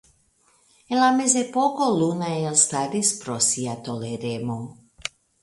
En la Mezepoko Luna elstaris pro sia toleremo.